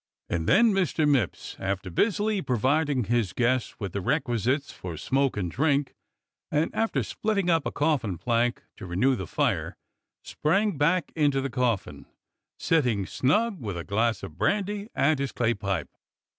And then Mr. Mipps, after busily providing his guest with the requisites for smoke and drink, and after splitting up a coffin plank to renew the COFFIN MAKER HAS A VISITOR 177 fire, sprang back into the coffin, sitting snug with a glass of brandy and his clay pipe.